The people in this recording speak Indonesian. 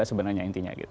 itu sebenarnya intinya gitu